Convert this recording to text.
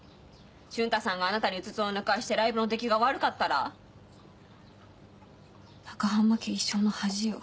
瞬太さんがあなたにうつつを抜かしてライブの出来が悪かったら中浜家一生の恥よ。